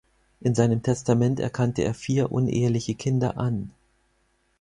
In seinem Testament erkannte er vier uneheliche Kinder an.